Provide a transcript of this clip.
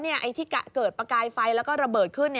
ไอ้ที่เกิดประกายไฟแล้วก็ระเบิดขึ้น